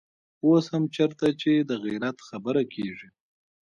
اوس هم چېرته چې د غيرت خبره کېږي.